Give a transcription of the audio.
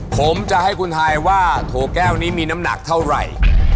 ผมจะให้คุณทายว่าโถแก้วนี้มีน้ำหนักเท่าไหร่